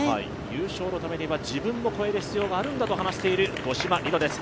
優勝のためには自分を超える必要があるんだと話している五島莉乃です。